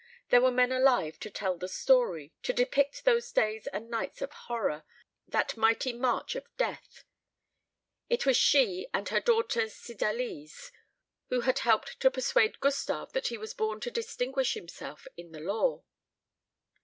There were men alive to tell the story, to depict those days and nights of horror, that mighty march of death. It was she and her daughter Cydalise who had helped to persuade Gustave that he was born to distinguish himself in the law.